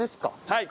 はい。